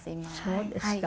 そうですか。